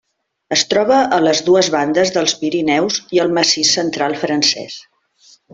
Es troba a les dues bandes dels Pirineus i al Massís Central francès.